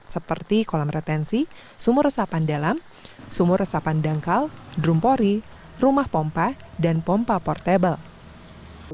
seperti kolam retensi sumur resapan dalam sumur resapan dangkal drumpori rumah pompa dan pompa portable